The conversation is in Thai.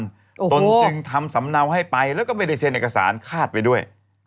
ตนจึงทำสำเนาให้ไปแล้วก็ไม่ได้เซ็นเอกสารคาดไปด้วย